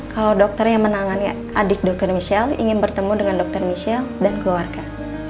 kalau dokter yang menangani adik dokter michelle ingin bertemu dengan dokter michelle dan keluarga